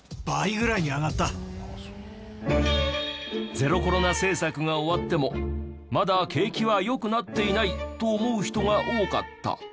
ゼロコロナ政策が終わってもまだ景気は良くなっていないと思う人が多かった。